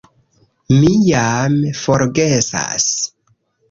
Mi jam forgesas!